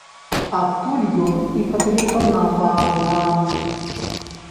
Адтуль ён і патэлефанаваў нам.